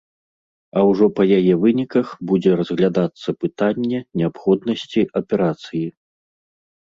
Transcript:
А ўжо па яе выніках будзе разглядацца пытанне неабходнасці аперацыі.